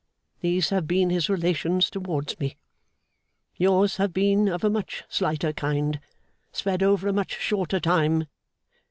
These have been his relations towards me. Yours have been of a much slighter kind, spread over a much shorter time.